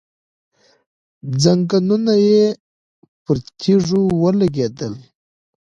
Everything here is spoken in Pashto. ځنګنونه یې پر تيږو ولګېدل.